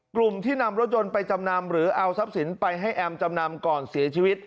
กลุ่มที่นำรถยนต์ไปจำนำหรือเอาทรัพย์สินไปให้แอมจำนำก่อนเสียชีวิต